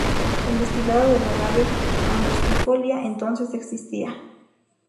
El destilado del Agave angustifolia, entonces, existía.